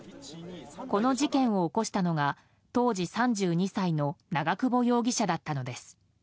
この事件を起こしたのが当時３２歳の長久保容疑者だったのです。